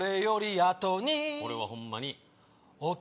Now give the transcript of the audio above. これはホンマに